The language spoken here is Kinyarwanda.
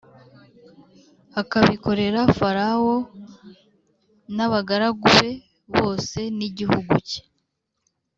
akabikorera Farawo n abagaragu be bose n igihugu cye